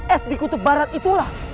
es di kutub barat itulah